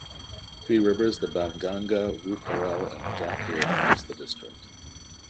Three rivers, the Ban Ganga, Rooparel, and Gambhir, cross the district.